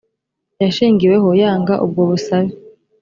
yashingiyeho yanga ubwo busabe